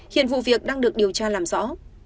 hiện vụ việc đang được điều tra làm rõ